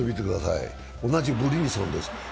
同じブリンソンです。